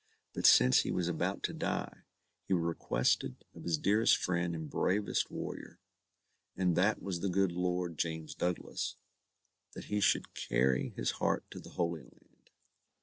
But since he was about to die, he requested of his dearest friend and bravest warrior, and that was the good Lord James Douglas, that he should carry his heart to the Holy Land.